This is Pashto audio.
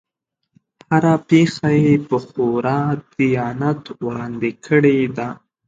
هره پېښه یې په خورا دیانت وړاندې کړې ده.